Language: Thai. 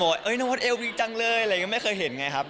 อ๋อขโมยนวดเอวพริกจังเลยไม่เคยเห็นไงครับ